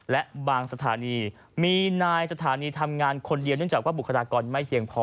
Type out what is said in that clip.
และบางสถานีมีนายสถานีทำงานคนเดียวเนื่องจากว่าบุคลากรไม่เพียงพอ